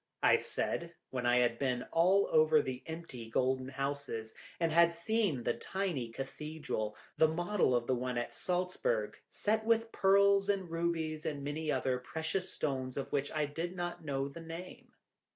I said, when I had been all over the empty golden houses, and had seen the tiny cathedral, the model of the one at Saltzburg, set with pearls and rubies, and many other precious stones of which I did not know the name.